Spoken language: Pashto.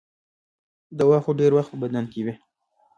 دوا خو ډېر وخت په بدن کې وي.